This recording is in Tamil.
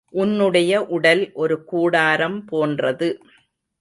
உன்னுடைய உடல் ஒரு கூடாரம் போன்றது.